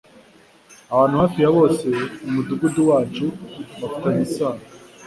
Abantu hafi ya bose mumudugudu wacu bafitanye isano. .